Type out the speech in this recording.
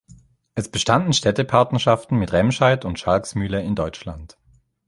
Es bestanden Städtepartnerschaften mit Remscheid und Schalksmühle in Deutschland.